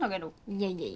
いやいや。